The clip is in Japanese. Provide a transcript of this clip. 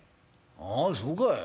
「ああそうかい。